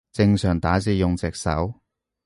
正常打字用雙手